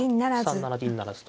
３七銀不成と。